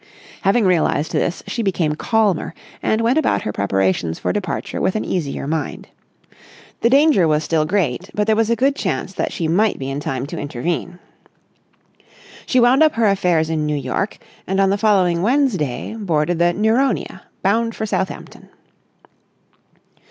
Having realised this, she became calmer and went about her preparations for departure with an easier mind. The danger was still great, but there was a good chance that she might be in time to intervene. She wound up her affairs in New York, and on the following Wednesday, boarded the "Nuronia" bound for Southampton.